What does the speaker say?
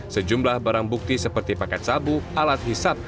sejumlah barang bukti seperti paket sabu alat hisap